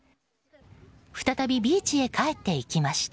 再びビーチへ帰っていきました。